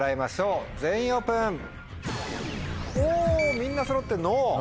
みんなそろって「Ｎｏ」。